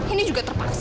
ini juga terpaksa